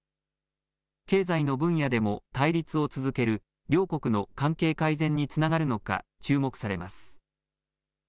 経済の分野でも対立を続ける両国の関係改善につながるのか注目されます。